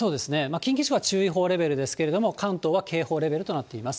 近畿地方は注意報レベルですけれども、関東は警報レベルとなっています。